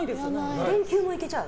電球もいけちゃう？